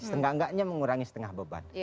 setengah enggaknya mengurangi setengah beban